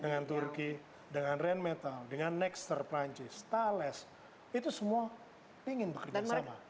dengan turki dengan rheinmetall dengan nexter prancis thales itu semua ingin bekerja sama